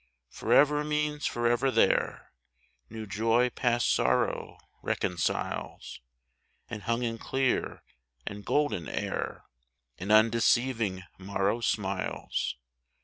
Forever means forever there ; New joy past sorrow reconciles, And hung in clear and golden air An undeceiving morrow smiles.